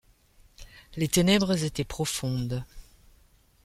Les ténèbres étaient profondes.